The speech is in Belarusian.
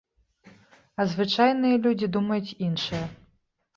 А звычайныя людзі думаюць іншае.